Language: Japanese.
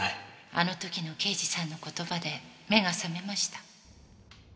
あの時の刑事さんの言葉で目が覚めました。